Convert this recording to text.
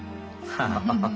ハハハハ。